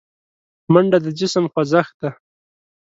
منډه د جسم خوځښت دی